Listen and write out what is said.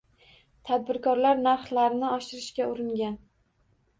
Tadbirkorlar narxlarni oshirishga uringan